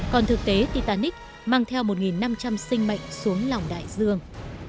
còn thực tế titanic mang theo một năm trăm linh sinh mệnh xuống lòng đại dương